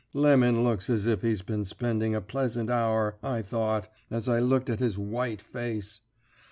"'Lemon looks as if he'd been spending a pleasant hour,' I thought, as I looked at his white face.